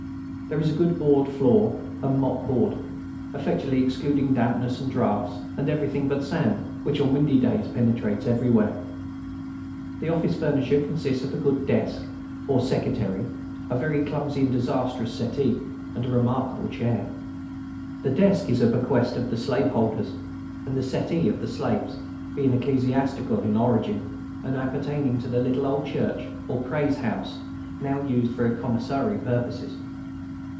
There is a good board floor and mop board, effectually excluding dampness and draughts, and everything but sand, which on windy days penetrates everywhere. The office furniture consists of a good desk or secretary, a very clumsy and disastrous settee, and a remarkable chair. The desk is a bequest of the slaveholders, and the settee of the slaves, being ecclesiastical in its origin, and appertaining to the little old church or "praise house," now used for commissary purposes.